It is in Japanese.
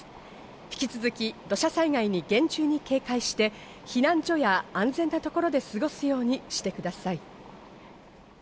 引き続き土砂災害に厳重に警戒して、避難所や安全な所で過ごすようにしてください。